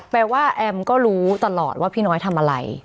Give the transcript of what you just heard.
แอมก็รู้ตลอดว่าพี่น้อยทำอะไร